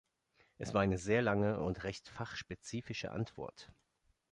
Das war eine sehr lange und recht fachspezifische Antwort.